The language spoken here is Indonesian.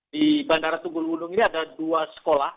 di bandara tunggul wulung ini ada dua sekolah